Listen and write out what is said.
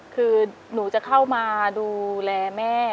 คือหนูจะเข้ามาดูแลแม่